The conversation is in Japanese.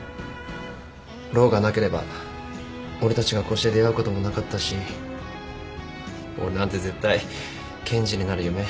ローがなければ俺たちがこうして出会うこともなかったし俺なんて絶対検事になる夢